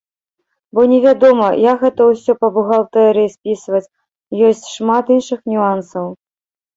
Бо невядома, як гэта ўсё па бухгалтэрыі спісваць, ёсць шмат іншых нюансаў.